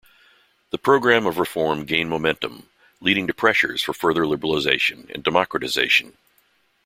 The program of reform gained momentum, leading to pressures for further liberalization and democratization.